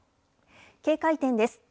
警戒点です。